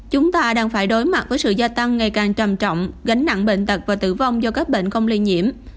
chúng ta đang phải đối mặt với sự gia tăng ngày càng trầm trọng gánh nặng bệnh tật và tử vong do các bệnh không lây nhiễm